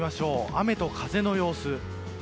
雨と風の様子。